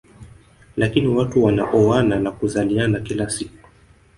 Lakini watu wanaoana na kuzaliana kila siku